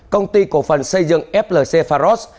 công ty cổ phần xây dựng flc pharos